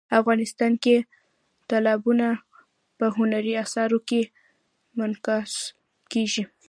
افغانستان کې تالابونه په هنري اثارو کې منعکس کېږي.